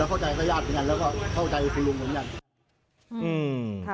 แล้วก็แล้วเข้าใจสยาติเหมือนกันแล้วก็เข้าใจฟรุงเหมือนกันอืม